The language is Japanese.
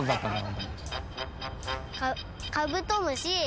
カカブトムシ。